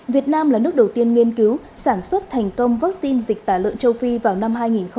việt nam là nước đầu tiên nghiên cứu sản xuất thành công vaccine dịch tả lợn châu phi vào năm hai nghìn hai mươi